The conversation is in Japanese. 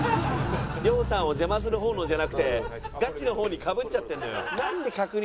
亮さんを邪魔する方のじゃなくてガチの方にかぶっちゃってるのよ。